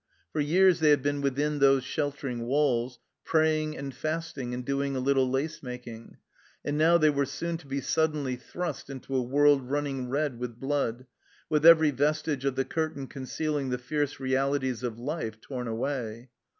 For years they had been within those sheltering walls, praying and fasting and doing a little lace making, and now they were soon to be suddenly thrust into a world running red with blood, with every vestige of the curtain concealing the fierce realities of life torn away.